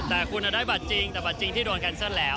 แต่คุณได้บัตรจริงแต่บัตรจริงที่โดนแคนเซิลแล้ว